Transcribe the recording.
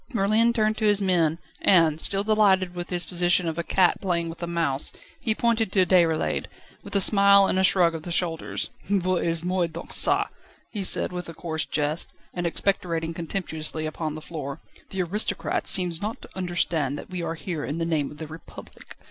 Merlin turned to his men, and, still delighted with his position of a cat playing with a mouse, he pointed to Déroulède, with a smile and a shrug of the shoulders. "Voyez moi donc çà," he said, with a coarse jest, and expectorating contemptuously upon the floor, "the aristocrat seems not to understand that we are here in the name of the Republic.